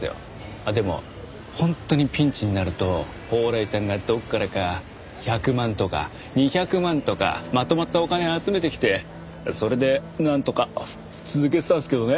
あっでも本当にピンチになると宝来さんがどこからか１００万とか２００万とかまとまったお金集めてきてそれでなんとか続けてたんですけどね。